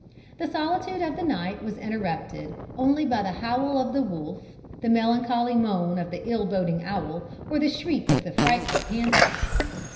The solitude of the night was interrupted only by the howl of the wolf, the melancholy moan of the ill boding owl or the shriek of the frightful panther.